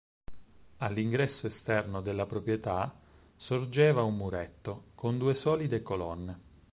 All'ingresso esterno della proprietà sorgeva un muretto, con due solide colonne.